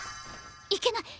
いけない！